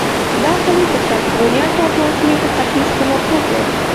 دا خلیج د کلفورنیا ټاپو وزمي په ختیځ کې موقعیت لري.